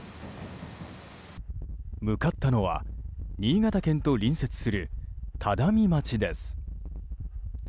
向かったのは新潟県と隣接する只見町です。